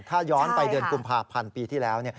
ถ้าย้อนไปเดือนกุมภาพันธ์ปีที่แล้ว